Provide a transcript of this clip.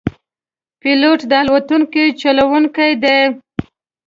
پیلوټ د الوتکې چلوونکی دی.